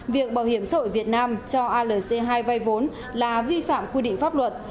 việc bảo hiểm sâu ở việt nam cho alc hai vay vốn là vi phạm quy định pháp luật